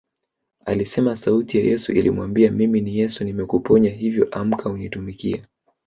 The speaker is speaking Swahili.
Alisema sauti ya Yesu ilimwambia Mimi ni Yesu nimekuponya hivyo amka unitumikie